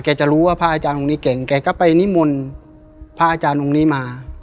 จะรู้ว่าพระอาจารย์องค์นี้เก่งแกก็ไปนิมนต์พระอาจารย์องค์นี้มา